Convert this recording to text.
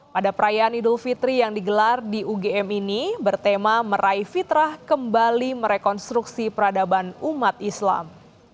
pada perayaan idul fitri yang digelar di ugm ini bertema meraih fitrah kembali merekonstruksi peradaban umat islam